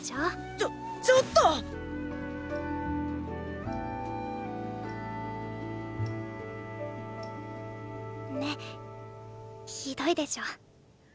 ちょちょっと！ねひどいでしょ。